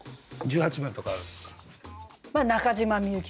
十八番とかあるんですか？